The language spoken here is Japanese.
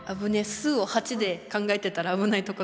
「す」を８で考えてたら危ないとこだった。